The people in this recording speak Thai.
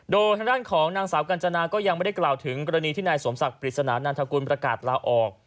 โดยทางด้านของนางสาวกัญจนาก็ยังไม่ได้กล่าวถึงกรณีที่นายสมศักดิ์ปริศนานันทกุลประกาศลาออก